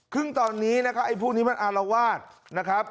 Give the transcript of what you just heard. ซึ่งตอนนี้นะครับไอ้พวกนี้มันอารวาสนะครับ